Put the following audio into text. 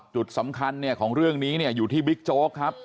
จุดสำคัญเนี่ยของเรื่องนี้เนี่ยอยู่ที่บิ๊กโจ๊กครับ